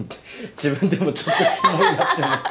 自分でもちょっとキモいなって思った。